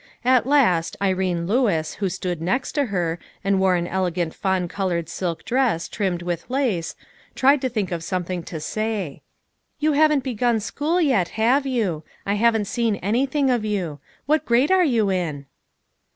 At last, Irene Lewis, who stood next to her, and wore an ele gant fawn colored silk dress trimmed with lace, tried to think of something to say. "You haven't begun school yet, have you ? I haven't seen anything of you. What grade are you in